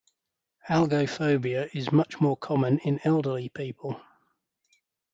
Algophobia is much more common in elderly people.